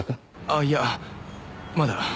あっいやまだ。